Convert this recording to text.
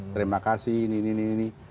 terima kasih ini ini